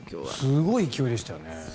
すごい勢いでしたよね。